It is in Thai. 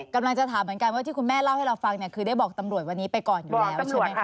กำลังจะถามเหมือนกันว่าที่คุณแม่เล่าให้เราฟังเนี่ยคือได้บอกตำรวจวันนี้ไปก่อนอยู่แล้วใช่ไหมคะ